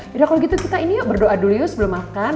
yaudah kalau gitu kita ini yuk berdoa dulu yuk sebelum makan